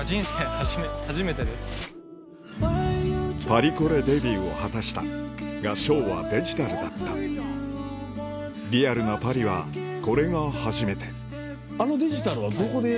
パリコレデビューを果たしたがショーはデジタルだったリアルなパリはこれが初めてあのデジタルはどこで？